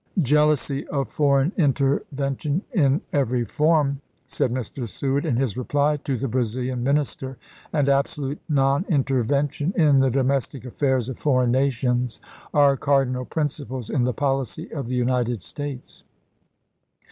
"Jealousy of foreign intervention in every form," said Mr. Seward, in his reply to the Brazilian minister, " and absolute non intervention in the domestic affairs of foreign nations, are cardinal principles in the policy of the United States.